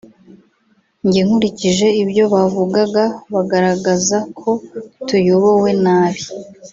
Njye nkurikije ibyo bavugaga bagaragazaga ko tuyobowe nabi